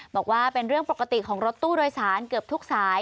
บอกว่าเป็นเรื่องปกติของรถตู้โดยสารเกือบทุกสาย